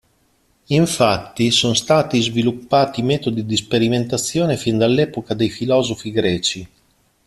Infatti, sono stati sviluppati metodi di sperimentazione fin dall'epoca dei filosofi greci.